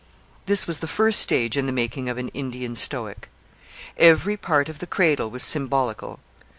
This was the first stage in the making of an Indian stoic. Every part of the cradle was symbolical.